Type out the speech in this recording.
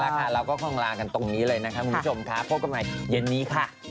เราก็คงลากันตรงนี้เลยนะคะคุณผู้ชมค่ะพบกันใหม่เย็นนี้ค่ะ